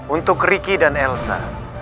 untuk ricky dan elsa